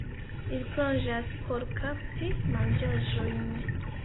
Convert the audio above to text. Ili plonĝas por kapti manĝaĵojn.